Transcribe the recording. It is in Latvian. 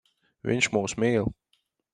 Viņš mūs mīl.